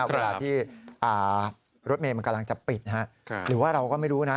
เวลาที่รถเมย์มันกำลังจะปิดหรือว่าเราก็ไม่รู้นะ